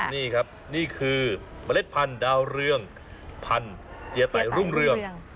นี่ครับนี่คือเมล็ดพันธุ์ดาวเรืองพันธุ์เจียไต่รุ่งเรือง